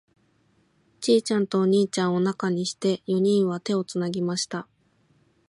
ちいちゃんとお兄ちゃんを中にして、四人は手をつなぎました。